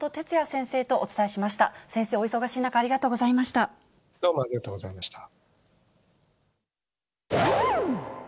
先生、お忙しい中、ありがとうございました。